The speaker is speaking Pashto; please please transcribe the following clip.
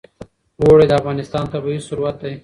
اوړي د افغانستان طبعي ثروت دی.